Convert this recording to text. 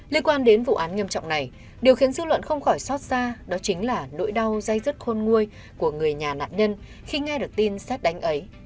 liên quan đến vụ án nghiêm trọng này điều khiến dư luận không khỏi xót xa đó chính là nỗi đau dây dứt khôn nguôi của người nhà nạn nhân khi nghe được tin xét đánh ấy